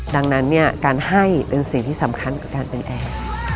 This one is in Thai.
ดังนั้นเนี่ยการให้เป็นสิ่งที่สำคัญกับการเป็นแอร์